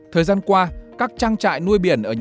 thời gian qua các trang trại nuôi biển